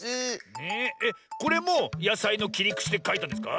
えっこれもやさいのきりくちでかいたんですか？